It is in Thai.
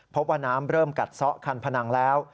พบว่าน้ำเริ่มกัดซะคันพนังแล้ว